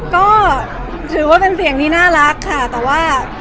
ก็ถือว่าเป็นเสียงที่น่ารักค่ะแต่ว่า